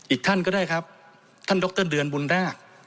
อีกท่านก็ได้ครับท่านดรเดือนบุญแรก